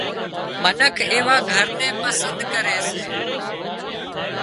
منک ايوا گھر نين پسند ڪري سي